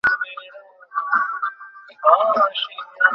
দুই বন্ধুকে দেখিয়া তিনি কহিলেন, ব্যাপারখানা কী!